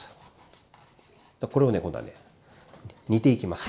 これをね今度はね煮ていきます。